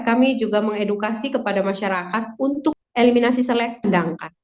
kami juga mengedukasi kepada masyarakat untuk eliminasi selek dikandangkan